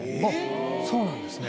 そうなんですね。